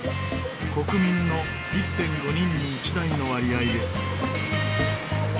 国民の１．５人に１台の割合です。